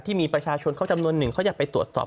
ที่มีประชาชนเขาจำนวนหนึ่งเขาอยากไปตรวจสอบ